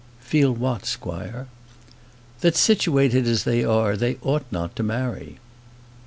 "Feel what, squire?" "That, situated as they are, they ought not to marry."